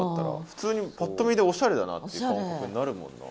普通にパッと見でおしゃれだなっていう感覚になるもんな。